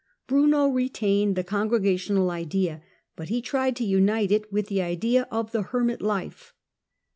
Bruno retained the congregational idea, but he tried to unite it with the idea of the hermit life.